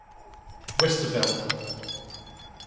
Westerveld.